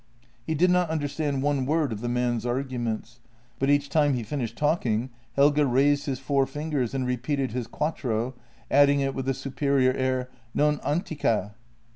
He did not understand one word of the man's arguments, but each time he finished talking Helge raised his four fingers and repeated his quattro, adding with a superior air: " Non antica!